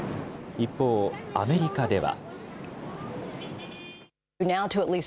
一方、アメリカでは。